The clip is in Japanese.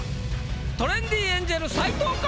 トレンディエンジェル斎藤か？